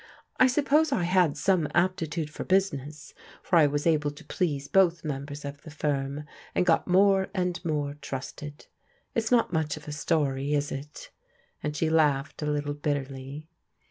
I suppose I had some aptitude for business, for I was able to please both members of the firm, and got more and more trusted. It is not much of a story, is it?" and she laughed a little bitterly.